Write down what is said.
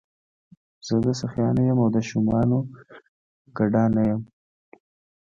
زه د سخیانو یم او د شومانو ګدا نه یمه.